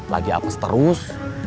lagi apes terus